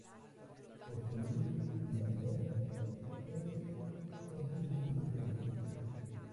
Jose Luis Chilavert en Sportivo Luqueño.